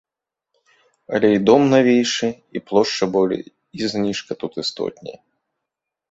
Але і дом навейшы, і плошча болей, і зніжка тут істотней.